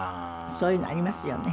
そういうのありますよね。